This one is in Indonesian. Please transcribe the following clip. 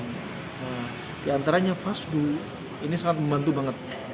nah diantaranya fasdu ini sangat membantu banget